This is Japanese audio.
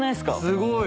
すごい！